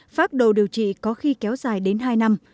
phác đồ điều trị có khi kéo dài đến hai năm